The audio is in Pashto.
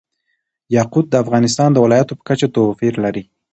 یاقوت د افغانستان د ولایاتو په کچه توپیر لري.